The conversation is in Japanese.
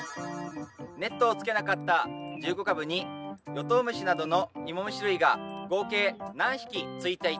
ネットをつけなかった１５株にヨトウムシなどのイモムシ類が合計何匹ついていたでしょうか？